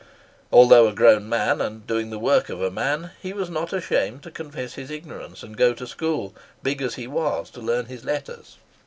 Although a grown man, and doing the work of a man, he was not ashamed to confess his ignorance, and go to school, big as he was, to learn his letters.